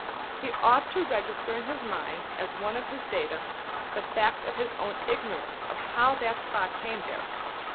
He ought to register in his mind, as one of his data, the fact of his own ignorance of how that spot came there.